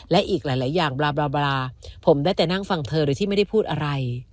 และอีกหลายอย่างบราบาผมได้แต่นั่งฟังเธอโดยที่ไม่ได้พูดอะไร